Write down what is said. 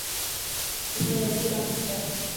منان جلدي ڪم کپي.